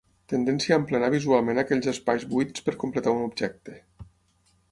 Tendència a emplenar visualment aquells espais buits per completar un objecte.